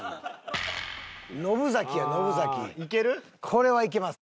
これはいけます。